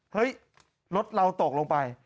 เฮ้ยรถเราตกลงไป